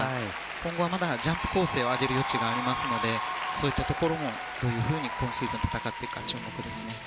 今後はまだジャンプ構成は上げる余地がありますのでそういったところもどういうふうに今シーズン戦っていくか注目ですね。